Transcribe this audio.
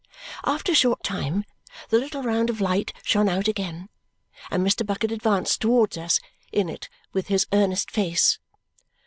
After a short time the little round of light shone out again, and Mr. Bucket advanced towards us in it with his earnest face.